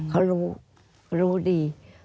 เขารู้รู้ดี